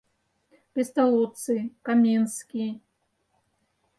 Песталоцци, Коменский...»